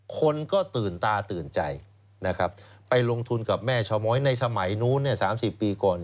คนก็ตื่นตาตื่นใจนะครับไปลงทุนกับแม่ชาวม้อยในสมัยนู้น๓๐ปีก่อน